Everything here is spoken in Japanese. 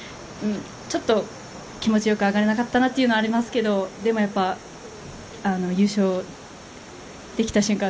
ちょっと気持ちよく上がれなかったなというのはありますけどでも優勝できた瞬間